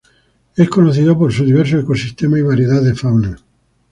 Es conocido por su diverso ecosistema y variedad de fauna.